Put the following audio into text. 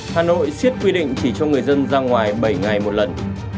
hà nội siết quy định chỉ cho người dân ra ngoài bảy ngày một lần